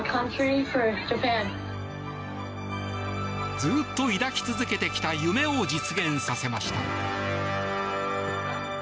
ずっと抱き続けてきた夢を実現させました。